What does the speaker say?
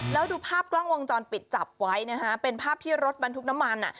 แล้วดูภาพกล้องวงจรปิดจับไว้นะฮะเป็นภาพที่รถบรรทุกน้ำมันอ่ะ